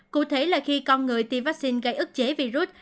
cụ thể là khi con người tiêm vaccine gây ức chế virus